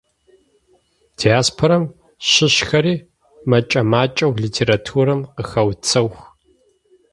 Диаспорэм щыщхэри мэкӏэ-макӏэу литературэм къыхэуцох.